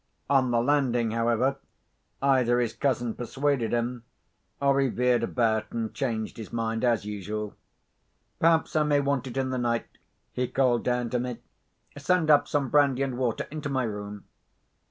On the landing, however, either his cousin persuaded him, or he veered about and changed his mind as usual. "Perhaps I may want it in the night," he called down to me. "Send up some brandy and water into my room."